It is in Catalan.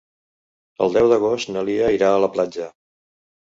El deu d'agost na Lia irà a la platja.